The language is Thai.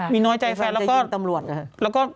มีน้อยใจแฟนแล้วก็